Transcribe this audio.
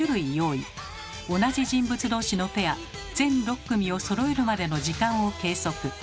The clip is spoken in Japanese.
同じ人物同士のペア全６組をそろえるまでの時間を計測。